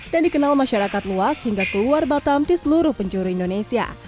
dan dikenal masyarakat luas hingga keluar batam di seluruh penjuru indonesia